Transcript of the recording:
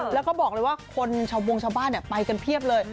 แล้วก็บอกเลยว่าคนชาวบงชาวบ้านไปกันเพียบเลย